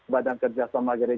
badang kerja sama gereja indonesia